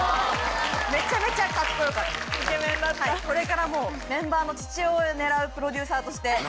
これからメンバーの父親を狙うプロデューサーとして。